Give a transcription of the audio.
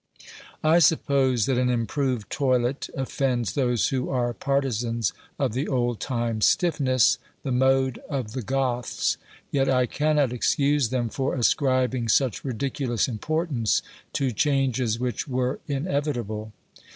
I suppose that an improved toilet offends those who are partisans of the old time stiffness, the mode of the Goths ; yet I cannot excuse them for ascribing such ridiculous importance to changes which were inevitable.